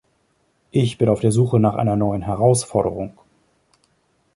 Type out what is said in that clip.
Ich bin auf der Suche nach einer neuen Herausforderung.